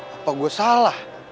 apa gue salah